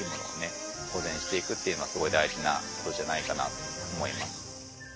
保全していくっていうのはすごい大事なことじゃないかなと思います。